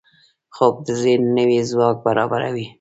خوب د ذهن نوي ځواک برابروي